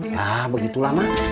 ya begitulah mak